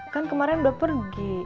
kan kemarin udah pergi